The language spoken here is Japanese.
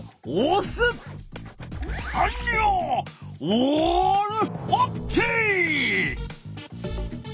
オールオッケー！